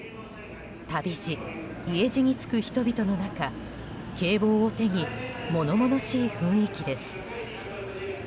旅路・家路に就く人々の中警棒を手に物々しい雰囲気です。